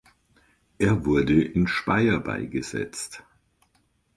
Er wurde in Speyer beigesetzt.